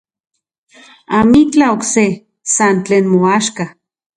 Amitlaj okse, san tlen moaxka.